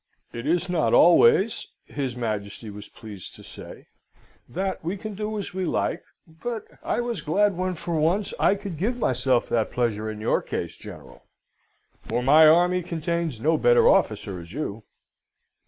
"It is not always," his Majesty was pleased to say, "that we can do as we like; but I was glad when, for once, I could give myself that pleasure in your case, General; for my army contains no better officer as you."